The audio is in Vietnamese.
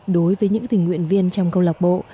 đối với những tình nguyện viên trong câu lạc bộ